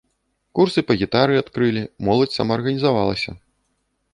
Курсы па гітары адкрылі, моладзь самаарганізавалася.